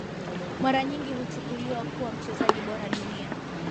Mara nyingi huchukuliwa kuwa mchezaji bora dunia